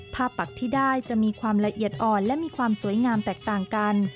ปักที่ได้จะมีความละเอียดอ่อนและมีความสวยงามแตกต่างกัน